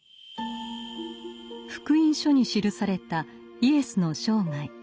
「福音書」に記されたイエスの生涯。